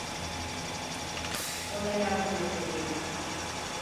Ona yardım etmeliyim.